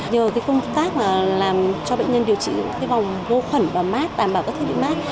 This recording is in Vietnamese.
nhờ cái công tác làm cho bệnh nhân điều trị cái vòng vô khuẩn và mát đảm bảo các thiết bị mát